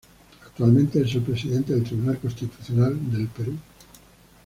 Actualmente, es el Presidente del Tribunal Constitucional del Perú.